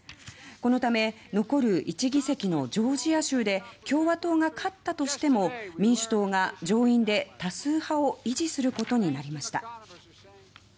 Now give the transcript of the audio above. このため残る１議席のジョージア州で共和党が勝ったとしても民主党が上院で多数派を維持することになりました。